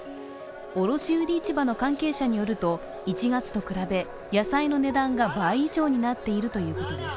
卸売市場の関係者によると、１月と比べ、野菜の値段が倍以上になっているということです。